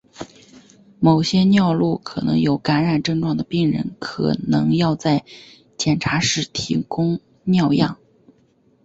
某些尿路可能有感染症状的病人可能要在检查前提供尿样。